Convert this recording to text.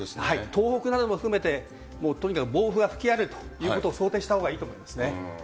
東北なども含めて、もうとにかく暴風が吹き荒れるということを想定したほうがいいと思いますね。